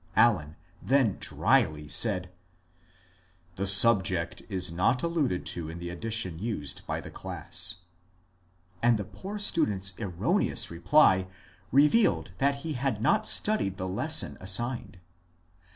Allen then drily said, *^ The subject is not alluded to in the edition used by ihe class," and the poor student's erroneous reply revealed that he had not studied the lesson assigned.